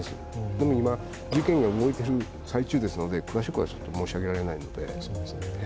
でも、今、事件が動いている最中ですので詳しくは申し上げられませんが。